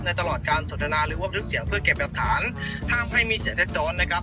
ตลอดการสนทนาหรือว่าบันทึกเสียงเพื่อเก็บหลักฐานห้ามให้มีเสียงแท็กซ้อนนะครับ